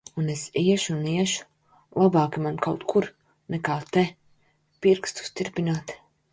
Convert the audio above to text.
Un es iešu un iešu! Labāki man kaut kur, nekā te, pirkstus tirpināt.